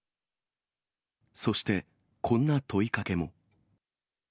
そしてこんな問いかけも。